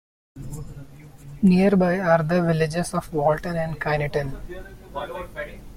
Nearby are the villages of Walton and Kineton.